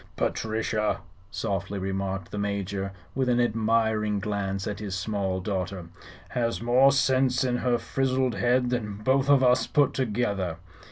"Patrichia," softly remarked the Major, with an admiring glance at his small daughter, "has more sinse in her frizzled head than both of us put together."